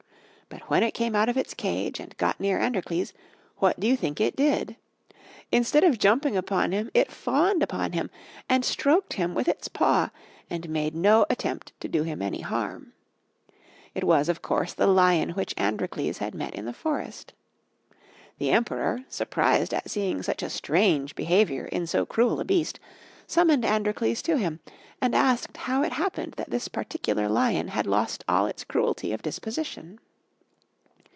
But when it came out of its cage and got near Androcles, what do you think it did? Instead of jumping upon him it fawned upon him and stroked him with its paw and made no attempt to do him any harm. It was of course the lion which Androcles had met in the forest. The Emperor, surprised at seeing such a strange behaviour in so cruel a beast, summoned Androcles to him and asked him how it happened that this particular lion had lost all its cruelty of disposition.